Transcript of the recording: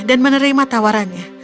dan menerima tawarannya